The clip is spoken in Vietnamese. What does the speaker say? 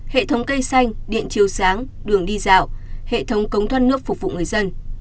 hệ thống cây xanh điện chiều sáng đường đi dạo hệ thống cống thoát nước phục vụ người dân